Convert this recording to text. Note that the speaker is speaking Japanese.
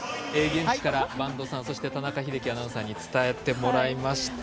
現地から播戸さん、そして田中秀樹アナウンサーに伝えていただきました。